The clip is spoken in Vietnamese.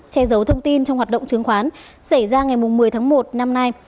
che giấu thông tin trong hoạt động chứng khoán xảy ra ngày một mươi tháng một năm nay